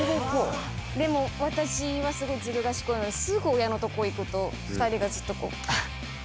でも私はすごいずる賢いのですぐ親のとこ行くと２人がずっとこう。